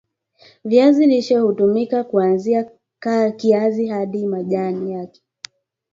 Viazi lishe hutumika kwanzia kiazi hadi majani yake